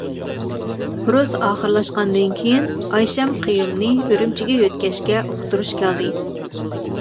كۇرس ئاخىرلاشقاندىن كېيىن ئايشەم قېيۇمنى ئۈرۈمچىگە يۆتكەشكە ئۇقتۇرۇش كەلدى.